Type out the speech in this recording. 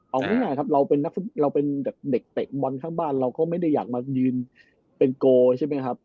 เอาง่ายครับเราเป็นนักเราเป็นเด็กเตะบอลข้างบ้านเราก็ไม่ได้อยากมายืนเป็นโกลใช่ไหมครับ